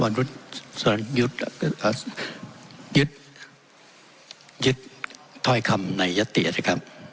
สวัสดีหยุดเถ้ายะติ๊ะครับ